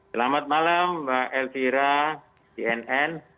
selamat malam mbak elvira cnn